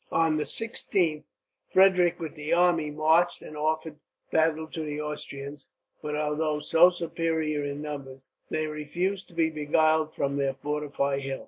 On the 16th, Frederick with the army marched and offered battle to the Austrians; but although so superior in numbers, they refused to be beguiled from their fortified hill.